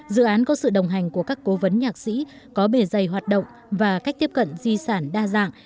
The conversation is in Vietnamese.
dự án có sự đồng hành của các cố vấn nhạc sĩ có bề dày hoạt động và cách tiếp cận di sản đa dạng